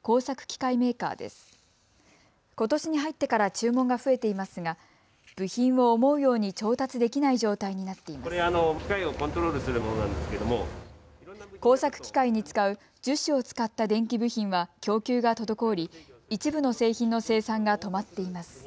工作機械に使う樹脂を使った電気部品は供給が滞り一部の製品の生産が止まっています。